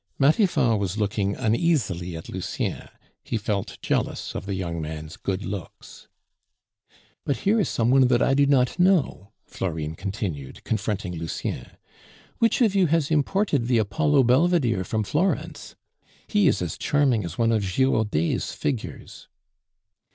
Matifat was looking uneasily at Lucien; he felt jealous of the young man's good looks. "But here is some one that I do not know," Florine continued, confronting Lucien. "Which of you has imported the Apollo Belvedere from Florence? He is as charming as one of Girodet's figures."